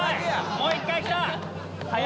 もう１回来た！